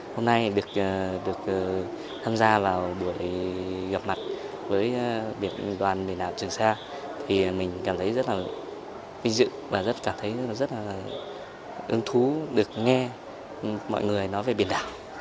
thì mình cảm thấy rất là vinh dựng và rất cảm thấy rất là hứng thú được nghe mọi người nói về biển đảo